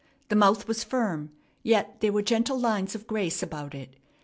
The mouth was firm; yet there were gentle lines of grace about it.